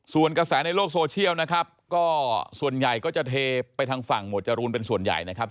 ส่วนกระแสในโลกโซเชียลนะครับก็ส่วนใหญ่ก็จะเทไปทางฝั่งหมวดจรูนเป็นส่วนใหญ่นะครับ